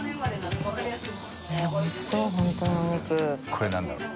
これ何だろう？